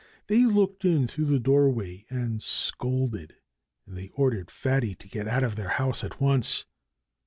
They looked in through their doorway and scolded. And they ordered Fatty to get out of their house at once.